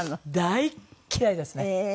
大嫌いですね！